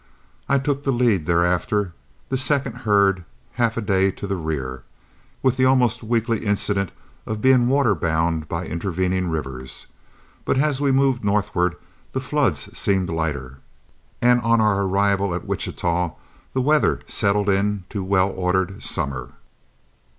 I took the lead thereafter, the second herd half a day to the rear, with the almost weekly incident of being waterbound by intervening rivers. But as we moved northward the floods seemed lighter, and on our arrival at Wichita the weather settled into well ordered summer.